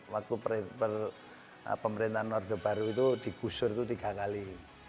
waktu pemerintahan nordo baru itu dikusur itu tiga kali